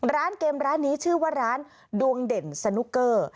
ร้านเกมร้านนี้ชื่อว่าร้านดวงเด่นสนุกเกอร์